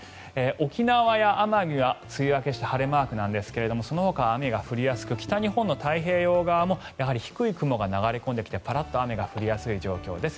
沖縄や奄美は梅雨明けして晴れマークですがそのほかは雨が降りやすく北日本の太平洋側も低い雲が流れ込んできてパラっと雨が降りやすい状況です。